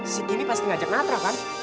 si skimmy pasti ngajak natra kan